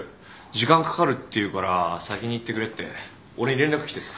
時間かかるって言うから先に行ってくれって俺に連絡来てさ。